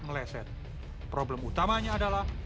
meleset problem utamanya adalah